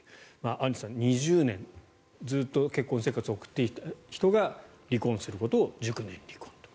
アンジュさん、２０年ずっと結婚生活を送っていた人が離婚することを熟年離婚と。